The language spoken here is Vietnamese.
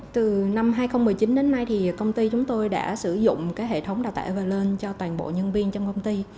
từ năm hai nghìn một mươi chín đến nay thì công ty chúng tôi đã sử dụng hệ thống đào tạo evalon cho toàn bộ nhân viên trong công ty